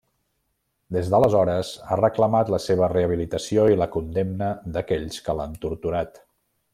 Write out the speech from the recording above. Des d'aleshores ha reclamat la seva rehabilitació i la condemna d'aquells que l'han torturat.